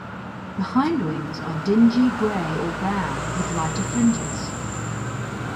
The hindwings are dingy grey or brown with lighter fringes.